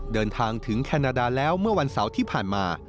เดินทางถึงแคนาดาแล้วเมื่อวันเสาร์ที่ผ่านมา